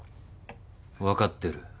分かってる。